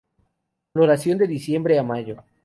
Floración de diciembre a mayo.